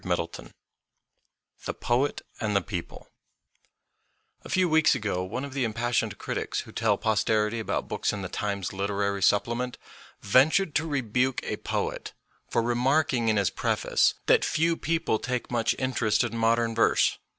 VII THE POET AND THE PEOPLE A FEW weeks ago one of the impassioned critics who tell posterity about books in the Times literary supplement ventured to rebuke a poet for remarking in his preface that few people take much interest in modern verse.